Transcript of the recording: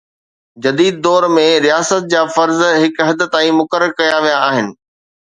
جديد دور ۾ رياست جا فرض هڪ حد تائين مقرر ڪيا ويا آهن.